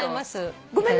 ごめんね。